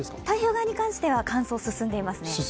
太平洋側に関しては、乾燥が進んでいますね。